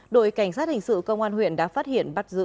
đội cảnh sát hình sự công an huyện đã phát hiện bắt giữ